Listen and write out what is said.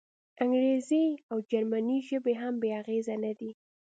انګریزي او جرمني ژبې هم بې اغېزې نه دي.